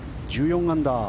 １４アンダー。